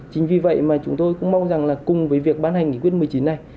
chính vì vậy mà chúng tôi cũng mong rằng là cùng với việc ban hành nghị quyết một mươi chín này